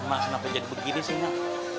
mas kenapa jadi begini sih nak